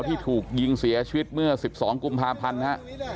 ที่ถูกยิงเสียชีวิตเมื่อ๑๒กุมภาพันธ์ฮะ